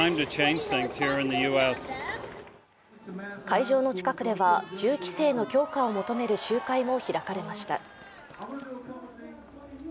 会場の近くでは、銃規制の強化を求める周回も開かれました。